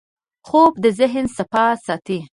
خوب د ذهن صفا ساتي